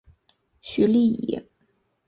许力以。